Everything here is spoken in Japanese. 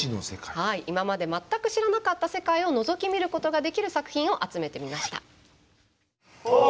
はい今まで全く知らなかった世界をのぞき見ることができる作品を集めてみました。